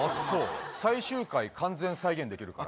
最終回完全再現できるから。